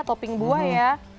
toping buah ya